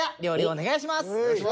お願いします。